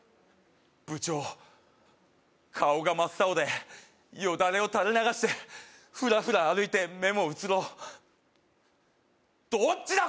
部長顔が真っ青でよだれを垂れ流してフラフラ歩いて目もうつろどっちだ